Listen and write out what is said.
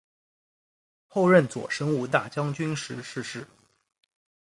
后任左神武大将军时逝世。